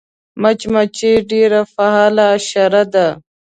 مچمچۍ ډېره فعاله حشره ده